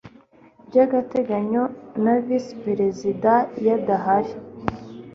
by agateganyo na vice perezida iyo adahari